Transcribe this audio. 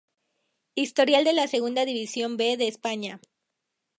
Historial de la Segunda División B de España